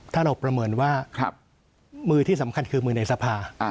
ถ้าเราประเมินว่ามือที่สำคัญคือมือในสภา